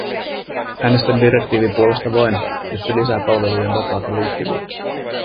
Äänestän direktiivin puolesta vain, jos se lisää palvelujen vapaata liikkuvuutta.